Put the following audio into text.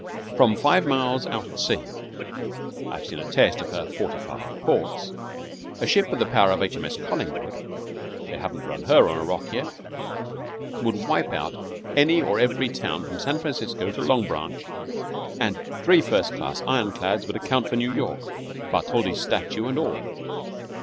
From five miles out at sea (I have seen a test of her "fortified" ports) a ship of the power of H. M. S. "Collingwood" (they haven't run her on a rock yet) would wipe out any or every town from San Francisco to Long Branch; and three first class ironclads would account for New York, Bartholdi's Statue and all.